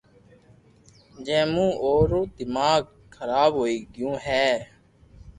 جو مون او رو دماغ خراب ھوئي گيو ھي